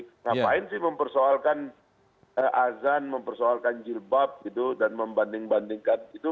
ngapain sih mempersoalkan azan mempersoalkan jilbab gitu dan membanding bandingkan itu